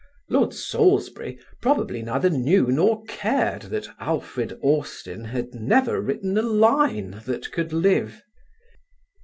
Lord Salisbury probably neither knew nor cared that Alfred Austin had never written a line that could live.